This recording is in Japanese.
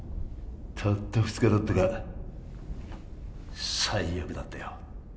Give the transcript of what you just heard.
たった２日だったが最悪だったよ